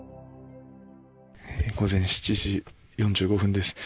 午前７時４５分です。